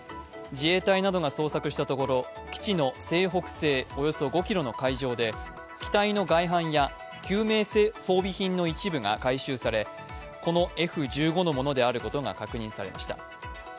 自衛隊などが捜索したところ、基地の西北西およそ５ｋｍの海上で機体の外板や救命装備品の一部が回収されこのＦ１５のものであることが確認されました。